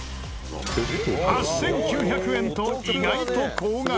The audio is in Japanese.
８９００円と意外と高額。